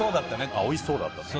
あっ「おいしそうだった」。